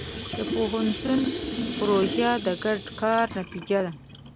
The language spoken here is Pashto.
د پوهنتون پروژه د ګډ کار نتیجه ده.